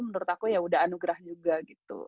menurut aku ya udah anugerah juga gitu